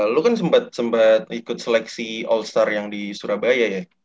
lu kan sempat ikut seleksi all star yang di surabaya ya